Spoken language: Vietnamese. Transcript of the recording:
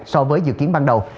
so với dự kiến ban đầu